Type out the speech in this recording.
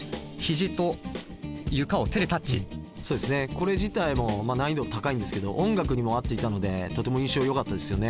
これ自体も難易度高いんですけど音楽にも合っていたのでとても印象よかったですよね。